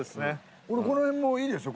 俺この辺もいいですよ